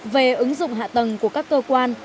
về ứng dụng hạ tầng của các cơ quan